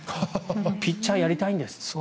ピッチャーやりたいんです。